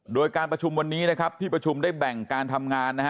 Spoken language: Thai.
โดยการประชุมวันนี้นะครับที่ประชุมได้แบ่งการทำงานนะฮะ